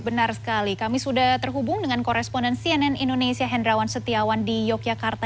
benar sekali kami sudah terhubung dengan koresponden cnn indonesia hendrawan setiawan di yogyakarta